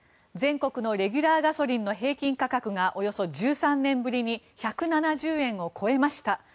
全国のレギュラーガソリンの平均価格がおよそ１３年ぶりに１７０円を超えました。